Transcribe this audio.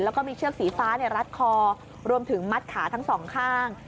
แล้วก็มีเชือกสีฟ้ารัดคอรวมถึงมัดขาทั้งสองข้าง